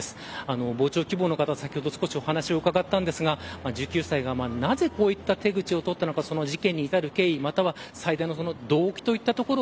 傍聴希望の方に先ほど少しお話を伺いましたが１９歳がなぜこういった手口を取ったのか事件に至る経緯最大の動機といったところ